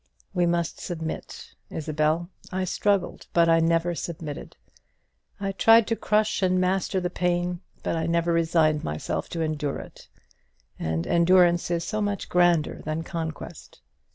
We must submit, Isabel. I struggled; but I never submitted. I tried to crush and master the pain; but I never resigned myself to endure it; and endurance is so much grander than conquest.